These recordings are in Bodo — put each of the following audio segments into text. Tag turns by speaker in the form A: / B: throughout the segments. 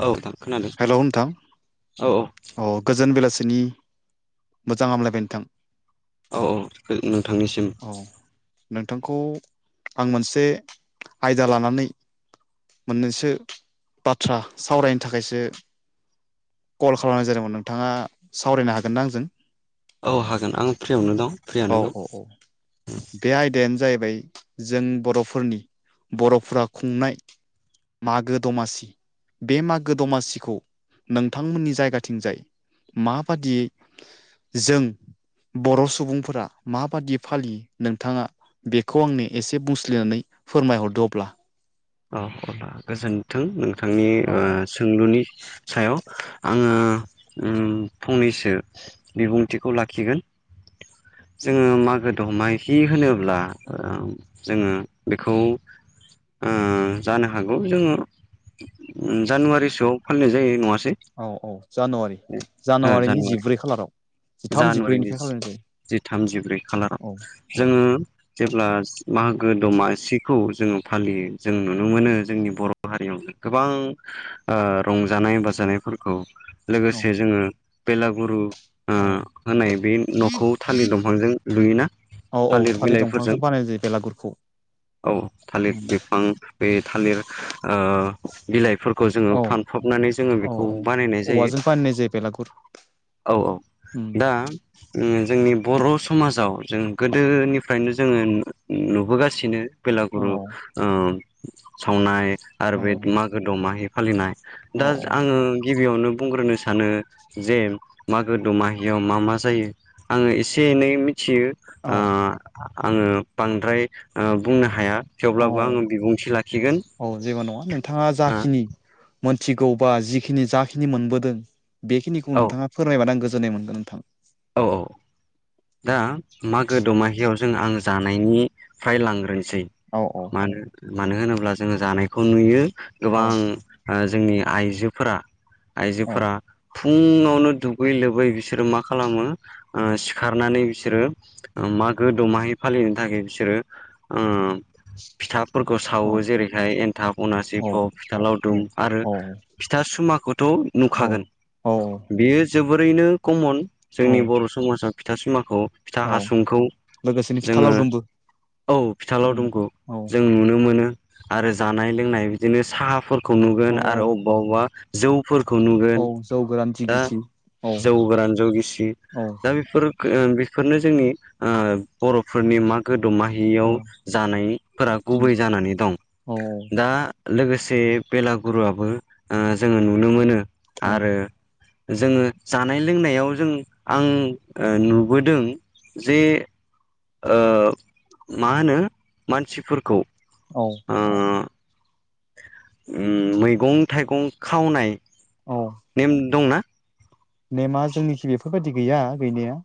A: औ नोंथां खोनादों
B: हेलौ नोंथां
A: औ औ।
B: गोजोन बेलासिनि मोजां हामलायबाय नोंथां।
A: औ औ नोंथांनिसिम।
B: औ नोंथांखौ आं मोनसे आयदा लानानै मोननैसो बाथ्रा सावरायनो थाखाय थाखायसो कल खालामनाय जादोंमोन नोंथाङा सावरायनो हागोनना आंजों?
A: औ हागोन आं फ्रियावनो दं
B: औ
A: फ्रियनो दं।
B: औ औ बे आयदायानो जाहैबाय जों बर'फोरनि बर'फोरा खुंनाय मागो दमासि बे मा गो दमासिखौ नोंथांमोननि जायगाथिंजाय माबादियै जों बर' सुबुंफोरा माबादि फालियो नोंथाङा? बेखौ आंनो एसे बुंसलिनानै फोरमायहरदो अब्ला
A: औ गोजोन्थों नोंथांनि
B: औ
A: ओ सोंलुनि सायाव आङो फंनैसो बिबुंथिखौ लाखिगोन जोङो मागो दमा हि होनोब्ला ओ जोङो बेखौ ओ जानो हागौ जोङो जानुवारिसोआव फालिनाय जायो नङासे
B: औ औ जानुवारि
A: ओ
B: जानुवारिनि
A: जानुवारि
B: जिब्रै खालाराव जिथाम
A: जानुवारिनि
B: जिब्रैनिफ्राय खालामनाय जायो
A: जि थामजिब्रै
B: औ
A: खालाराव
B: औ
A: जोङो जेब्ला मागो दमासिखौ जोङो फालियो जों नुनो मोनो जोंनि बर' बर' हारियाव गोबां रंजानाय बाजानायफोरखौ
B: औ
A: लोगोसे जोङो बेलागुरु
B: औ
A: होनाय बे न'खौ थालिर दंफांजों लुयोना।
B: औ औ
A: थालिर
B: थालि
A: बिलाइफोरजों
B: दंफांसो बानायनाय जायो बेलागुरखौ
A: औ थालिर बिफां बे थालिर ओ बिलाइफोरखौ जोङो
B: औ
A: फानफबनानै जोङो
B: औ
A: बेखौ
B: औ
A: बानायनाय जायो।
B: [unintelligible]
A: औ औ
B: उम
A: दा जोंनि बर' समाजाव जों गोदोनिफ्रायनो जोङो नुबोगासिनो
B: औ
A: बेलागुरु ओ सावनाय आरो
B: औ
A: बे मागो दमाहि फालिनाय
B: औ
A: दा आङो गिबियावनो बुंग्रोनो सानो जे मागो दमाहियाव मा मा जायो आङो एसे एनै मिथियो
B: औ
A: ओ आङो बांद्राय बुंनो हाया
B: औ
A: थेवब्लाबो आङो बिबुंथि लाखिगोन
B: औ औ जेबो नङा नोंथाङा
A: ओ
B: जाखिनि मोनथिगौबा जिखिनि जाखिनि मोनबोदों बेखिनिखौ
A: औ
B: नोंथाङा फोरमायबानो आं गोजोननाय मोनगोन नोंथां
A: औ औ दा मागो दमाहियाव जों आं जानायनिफ्राय लांग्रोनोसै
B: औ औ
A: मानो होनोब्ला जोङो जानायखौ नुयो
B: औ
A: गोबां जोंनि आइजोफोरा
B: औ
A: आइजोफोरा फुङावनो दुगै लोबै बिसोरो मा खालामो ओ खखारनानै बिसोरो मागो दमाहै फालिनो थाखाय बिसोरो फिथाफोरखौ सावो
B: औ
A: जेरैहाय एन्थाब अनासि
B: औ
A: फ फिथा लावदुम आरो
B: औ
A: फिथा सुमाखौथ' नुखागोन
B: औ औ
A: बेयो जोबोरैनो कमन
B: औ
A: जोंनि बर' समाजाव फिथा सिमाखौ फिथा
B: औ
A: हासुंखौ
B: लोगोसेनो फिथा
A: जोङो
B: लावदुमबो
A: औ फिथा
B: उम
A: लावदुमखौ
B: औ
A: जों नुनो मोनो आरो जानाय लोंनाय बिदिनो साहाफोरखौ
B: औ
A: नुगोन
B: औ
A: आरो अबेबा अबेबा जौफोरखौ
B: औ
A: नुगोन
B: जौ गोरान
A: दा
B: जिगिसि औ
A: जौ गोरान जौ गिसि
B: औ
A: दा बेफोर बेफोरनो जोंनि ओ बर'फोरनि मा गोदौमा याव
B: उम
A: जानायफोरा गुबै जानानै दं
B: औ
A: दा लोगोसे बेलागुरुआबो ओ जोङो नुनो मोनो
B: औ
A: आरो जोङो जानाय लोंनायाव जों आं नुबोदों जे ओ मा होनो मानसिफोरखौ
B: औ
A: अ मैगं थाइगं खावनाय
B: औ
A: नेम दंना
B: नेमा जोंनिखि बेफोरबायदि गैया गैनाया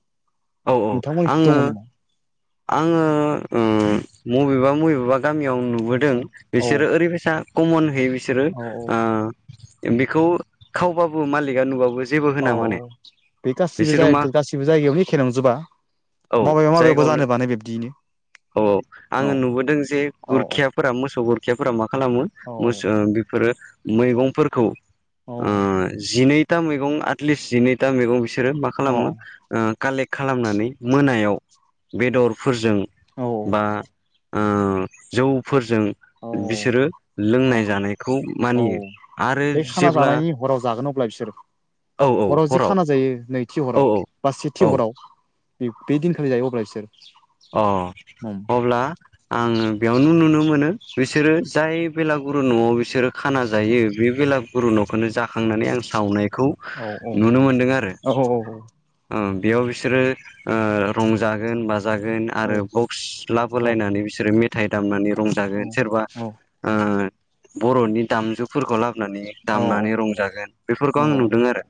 A: औ औ
B: नोंथांमोननिखि
A: आङो
B: दङ नामा
A: आङो उम बबेबा बबेबा गामियाव नुबोदों
B: आदसा औ
A: बिसोरो ओरैबायसा कमनहै बिसोरो
B: औ औ
A: बेखौ खावबाबो मालिका नुबाबो जेबो
B: औ
A: होना माने
B: बे गासिबो
A: बिसोरो मा
B: [unintelligible] जायगायावनो एखे नंजोबा
A: औ
B: माबेबा माबेबा
A: जायगायावनो
B: जानो बानो बिब्दियैनो
A: औ औ
B: औ
A: आङो नुबोदों जे
B: औ
A: गुरखिया फोरा मोसौ गोरखियाफोरा मा खालामो
B: औ
A: मोसो ओ बेफोरो मैगंफोरखौ ओ जिनैथा मैगं आटलिस्ट जिनैथा मैगं बिसोरो मा
B: औ
A: खालामो ओ कालेक्ट खालामनानै मोनायाव बेदरफोरजों बा उम जौफोरजों
B: औ
A: बिसोरो
B: औ
A: लोंनाय जानायखौ
B: औ
A: मानियो आरो
B: बे खाना
A: जेब्ला
B: जानायनि हराव जागोन अब्ला बिसोर
A: औ औ
B: हराव जि खाना जायो नैथि
A: औ
B: हराव बा सेथि
A: औ औ
B: हराव बे दिनखा जायो अब्ला बिसोर
A: अ
B: उम
A: अब्ला आङो बेयावनो नुनो मोनो बिसोरो जाय बेलागुरु न'आव बिसोरो खाना जायो बे बेला गुरु न'खौनो जाखांनानै आं सावनायखौ
B: औ औ
A: नुनो मोनदों आरो
B: औ औ औ
A: ओ बेयाव बिसोरो ओ रंजागोन बाजा जागोन आरो
B: औ
A: बक्स लाबो
B: औ
A: लायनानै बिसोरो मेथाइ दामनानै रंजागोन सोरबा
B: औ
A: उम बर'नि दामजु फोरखौ लाबोनानै
B: औ
A: दामनानै रंजागोन बेफोरखौ आं नुदों आरो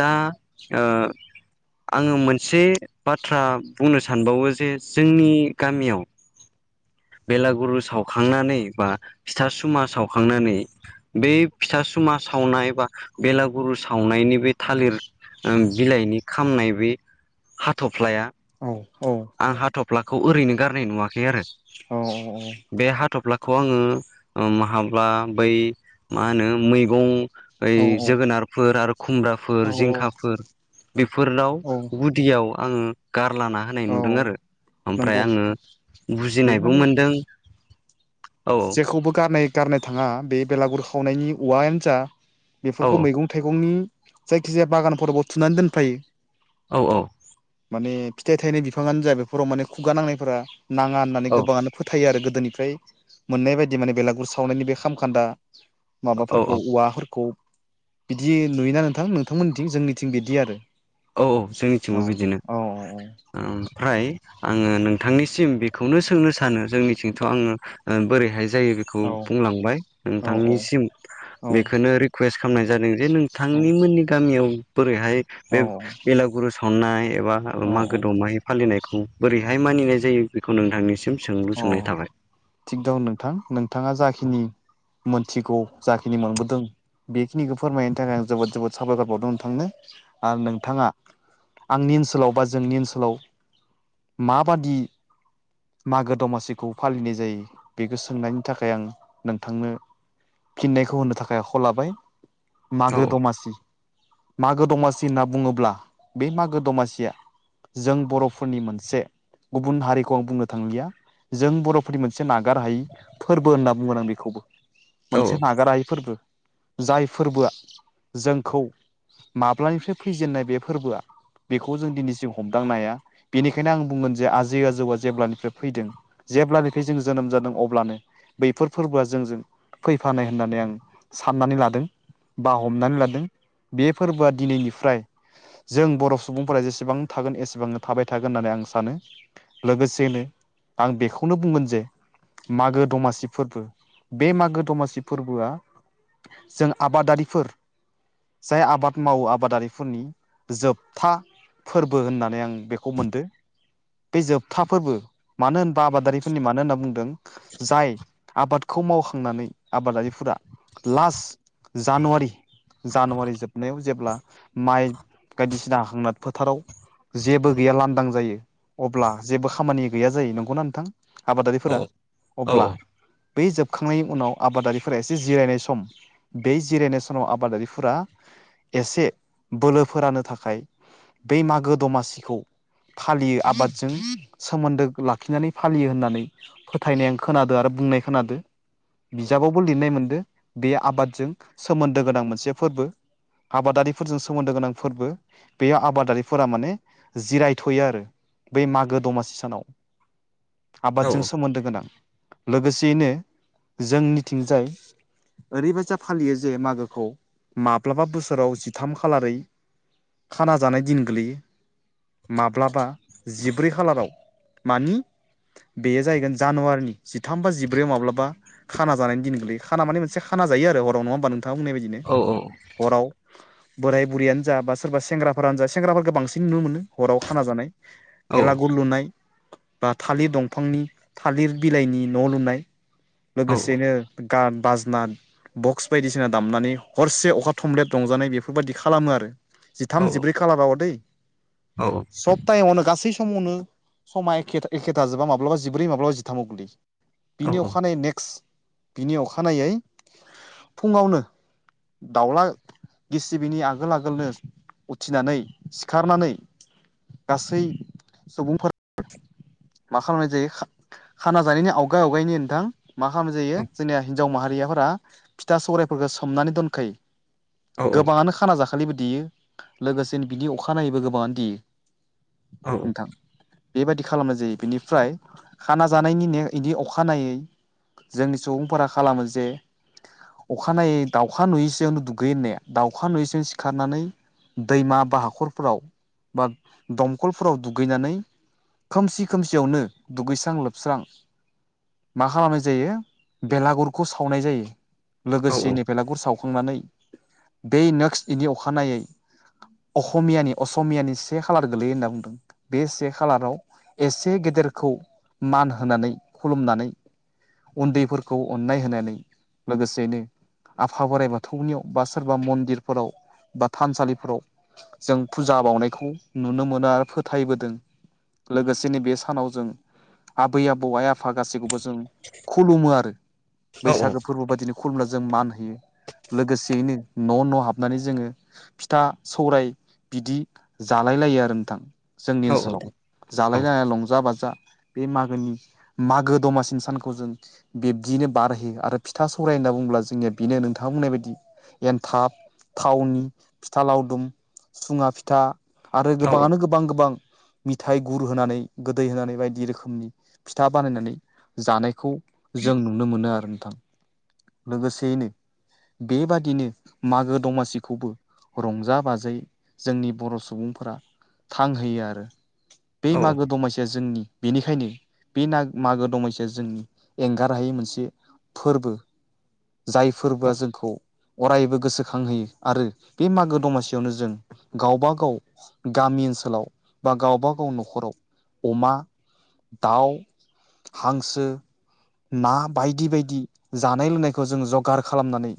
A: दा ओ आङो मोनसे बाथ्रा बुंनो [unintelligible] सानबावो जे जोंनि गामियाव बेलागुरु सावखांनानै बा फिथा सुमा सावखांनानै बे फिथा सुमा सावनाय बा बेलागुरु सावनायनि बे थालिर ओ बिलाइनि खामनाय बि हाथ'फ्लाया आं हाथफ्लाखौ ओरैनो गारनाय नुवाखै आरो
B: अ औ औ
A: बे हाथफ्लाखौ आङो माहाबा बै मा होनो मैगं ओइ
B: औ
A: जोगोनारफोर आरो खुमब्राफोर
B: औ
A: जिंखाफोर बिफोरनाव
B: औ औ
A: गुदियाव आङो गारलाना होनाय नुदों आरो ओमफ्राय आङो
B: बे
A: बुजिनायबो
B: माने
A: मोनदों औ
B: [unintelligible] खौबो गारनाय गारनो थाङा बे बेलागुर खावनायनि उवायानो जा
A: औ
B: बेफोरखौ मै थाइगंनि जायखि जाया बागानफोराव थुनानै दोनफायो।
A: औ औ
B: माने फिथाइ थायनाय बिफाङानो जा बेफोराव माने खुगा नांनायफोरा नाङा होननानै
A: औ
B: गोबाङानो फोथायो आरो गोदोनिफ्राय मोननाय बायदि माने बेलागुर सावनायनि बे खामखान्दा
A: औ
B: माबाफोरखौ औवाफोरखौ बिदि नुयोना नोंथां नोंथांमोननिथिं जोंनिथिं बिदि आरो
A: औ औ जोंनिथिंबो
B: औ
A: बिदिनो
B: औ
A: ओमफ्राय आङो नोंथांनिसिम बेखौनो सोंनो सानो जोंनिथिंथ' आङो बोरैहाय जायो बेखौ
B: औ
A: बुंलांबाय
B: औ
A: नोंथांनिसिम
B: औ
A: बेखोनो रिकुवेस्ट खामनाय जादों जे नोंथांनि मोननि गामियाव बोरैहाय बे बेलागुरु सावनाय एबा
B: औ औ
A: माागो दौ माय फालिनायखौ बोरैहाय मानिनाय जायो बेखौ नोंथांनिसिम सोंलु
B: अ
A: सोंनाय थाबाय
B: थिग दं नोंथां नोंथाङा जाखिनि मोनथिगौ जाखिनि मोनबोदों बेखिनिखौ फोरमायनो थाखाय आं जोबोद जोबोद साबायखर बावदों नोंथांनो आरो नोंथाङा आंनि ओनसोलाव बा जोंनि ओनसोलाव माबादि मागो दमासिखौ फालिनाय जायो बेखो सोंनायनि थाखाय आं नोंथांनो फिन्नायखौ होनो थाखाय आखायाव लाबाय
A: औ
B: मागो दमासि मागो दमासि होनना बुङोब्ला बे मागो दमासिया जों बर'फोरनि मोनसे गुबुन हारिखौ आं बुंनो थांलिया जों बर'फोरनि मोनसे नागार हायै फोरबो होनना बुंगोन आं बेखौबो।
A: औ
B: मोनसे नागार हायि फोरबो जाय फोरबोआ जोंखौ माब्लानिफ्राय फैजेननाय बे फोरबोआ बेखौ जों दिनैसिम हमदांनो हाया बेनिखायनो आं बुंगोन जे आजै आजौआ जेब्लानो फैदों जेब्लानिखि जों जोनोम जादों अब्लानो बैफोर फोरबोआ जोंजों फैफानाय होननानै आं साननानै लादों बा हमनानै लादों बे फोरबोआ दिनैनिफ्राय जों बर' सुबुंफोरा जेसेबांनो थागोन एसेबांनो थाबाय थागोन होननानै आं सानो। लोगोसेनो आं बेखौनो बुंगोन जे मागो दमासि फोरबो बे मागो दमासि फोरबोआ जों आबादारिफोर जाय आबाद मावो आबादारिफोरनि जोबथा फोरबो होननानै आं बेखौ मोनदो बे जोबथा फोरबो मानो होनबा आबादारिफोरनि मानो होनना बुंदों जाय आबादखौ मावखांनानै आबादारिफोरा लास्ट जानुवारि जानुवारि जोबनायाव जेब्ला माइ बायदिसिना हां फोथाराव जेबो गैया लांदां जायो अब्ला जेबो खामानि गैया जायो नंगौना नोंथां
A: औ
B: आबादारिफोरा
A: औ
B: अब्ला
A: औ
B: बै जोबखांनायनि उनाव आबादारिफोरा एसे जिरायनाय सम बे जिरायनाय समाव आबादारिफोरा एसे बोलो फोरानो थाखाय बै मागो दमासिखौ फालियो आबादजों। सोमोन्दो लाखिनानै फालियो होननानै फोथायनाय आं खोनादों आरो बुंनाय खोनादो। बिजाबावबो लिरनाय मोनदो बे आबादजों सोमोन्दो गोनां मोनसे फोरबो। आबादारिफोरजों सोमोन्दो गोनां फोरबो बेयाव आबादारिफोरा माने जिरायथ'यो आरो बै मागो दमासि
A: औ
B: आबादजों सोमोन्दो गोनां लोगोसेयैनो जोंनिथिंजाय ओरैबायजा फालियो जे मागोखौ माब्लाबा बोसोराव जिथाम खालारै खाना जानाय दिन गोलैयो माब्लाबा जिब्रै खालाराव मानि बेयो जाहैगोन जानुवारिनि जिथाम बा जिब्रैआव माब्लाबा खाना जानायनि दिन गोलैयो खाना माने मोनसे खाना जायो आरो हराव नङा होमबा नोंथाङा मोननाय बायदिनो
A: औ
B: हराव बोराय बुरियानो जा बा सोरबा सेंग्राफोरानो जा सेंग्राफोरखौ बांसिन नुनो मोनो हराव खाना जानाय
A: औ
B: भेलागुर लुनाय बा थालिर दंफांनि थालिर बिलाइनि न' लुनाय लोगोसेनो गान बाजना बक्स बायदिसिना दामनानै हरसे अखा थमब्लेद रंजानाय बेफोरबायदि खालामो आरो जिथाम जिब्रै खालाराव दै
A: औ औ
B: सप्तायावनो गासै समावनो सम एखे एखे थाजोबा माब्लाबा जिब्रै माब्लाबा जिथामाव गोगलैयो बिनि अखानायै नेक्स्ट बिनि अखानायै फुङावनो दावला गिसिबिनि आगोल आगोलनो उथिनानै सिखारनानै गासै सुबुंफोरा मा खालामनाय जायो खाना जानायनि आवगाय आवगायनि नोंथां मा खालामनाय जायो जोंनिया हिजाव माहारियाफोरा फिथा सौरायफोरखौ सोमनानै दोनखायो
A: औ
B: गोबाङानो खाना जाखालिबो देयो लोगोसेनो बिनि अखानायैबो गोबाङानो देयो
A: औ
B: नोंथां बेबायदि खालामनाय जायो। बिनिफ्राय खाना जानायनि ने इनि अखानायै जोंनि सुबुंफोरा खालामो जे अखानायै दाउखा नुयैसोनो दुगै होननाया दाउखा नुयैसो सिखारनानै दैमा बा हाखरफोराव बा दमखलफोराव दुगैनानै खोमसि खोमसियावनो दुगैस्रां लोबस्रां मा खालामनाय जायो बेलागुरखौ सावनाय जायो लोगोसे नै बेलागुर साव खांनानै बे नेक्स्ट इनि अखानायै अक'मियानि असमियानि से खालार गोलैयो होनना बुंदों बे से खालाराव एसे गेदेरखौ मान होनानै खुलुमनानै उन्दैफोरखौ अननाय होनानै लोगोसेनो आफा बोराइ बाथौनियाव बा सोरबा मन्दिरफोराव बा थानसालिफोराव जों फुजा बावनायखौ नुनो मोनो आरो फोथायबोदों लोगोसे दिनै बे सानाव जों आबै आबौ आइ आफा गासैखौबो जों खुलुमो आरो
A: औ
B: बैसागो फोरबो बायदिनो खुलुमना जों मान होयो। लोगोसेयैनो न' न' हाबनानै जोङो फिथा सौराय बिदि जालाय लायो आरो नोंथां जोंनि ओनसोलाव जालाय ग लंजा बाजा बे मागोनि मागो दमासिनि सानखौ जों बिब्दियैनो बारहोयो आरो फिथा सौराय होनना बुंुङोब्ला जोंनिया बेनो नोंथाङा बुंनाय बायदि एन्थाब थावनि फिथा लावदुम सुङा फिथा आरो गोबाङानो गोबां गोबां मिेथाइ गुर होनानै गोदै होनानै बायदि रोखोमनि फिथा बानायनानै जानायखौ जों नुनो मोनो आरो नोंथां लोगोसेयैनो बेबादिनो मागो दमासिखौबो रंजा बाजायै जोंनि बर' सुबुंफोरा थांहोयो आरो बे मागो दमासिया जोंनि बेनिखायनो बे न मागो दंैसो जोंनि एंगार हायै मोनसे फोरबो जाय फोरबोआ जोंखौ अरायबो गोसोखांहोयो आरो बे मागो दमासियावनो जों गावबा गाव गामि ओनसोलाव बा गावबागाव न'खराव अमा दाउ हांसो ना बायदि बायदि जानाय लोंनायखौ जों जगार खालामनानै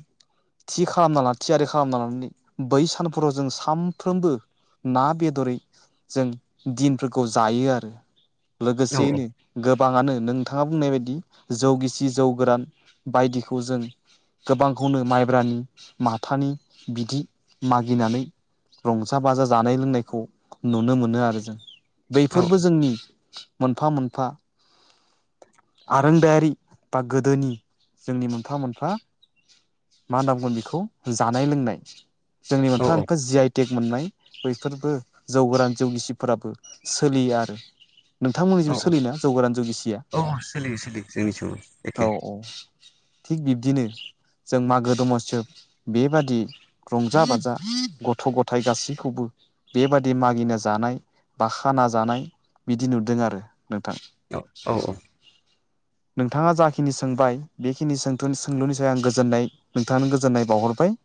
B: थि खालामना ल थियारि खालामना लानानै बै सानफोराव जों सानफ्रोमबो ना बेदरै जों दिनफोरखौ जायो आरो लोगोसेयैनो गोबाङानो नोंथाङा बुंनाय बायदि जौ गिसि जौ गोरान बायदिखौ जों गोबांखौनो माइब्रानि माथानि बिदि मागिनानै रंजा बाजा जानाय लोंनायखौ नुनो मोनो आरो जों बैफोरबो जोंनि मोनफा मोनफा आरोंदायारि बा गोदोनि जोंनि मोनफा मोनफा मा होनना बुंगोन बेखौ जानाय लोंनाय जोंनि मोनफा मोनफा जि आइटेक मोननाय बैफोरबो जौ गोरान जौगिसिफोराबो सोलियो आरो नोंथांमोननि जेबो सोलिना जौगोरान जौगिसिया
A: सोलियो सोलियो जोंनिथिंबो एखे
B: औ औ थिग बिब्दिनो जों मागो दमसोब बेबादि रंजा बाजा गथ' गथाय गासैखौबो बेबादि मागिनो जानाय बा खाना जानाय बिदि नुदों आरो नोंथां
A: औ औ औ
B: नोंथाङा जाखिनि सोंबाय बेखिनि सों सोंलुनि सायाव आं गोजोननाय नोंथांआनो गोजोननाय बावहरबाय